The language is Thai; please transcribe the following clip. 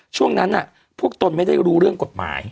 ช่วงนั้นพวกตนไม่ได้รู้เรื่องกฎหมาย